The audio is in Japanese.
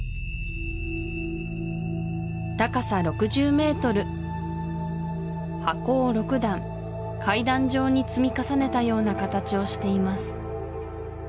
高さ６０ｍ箱を６段階段状に積み重ねたような形をしています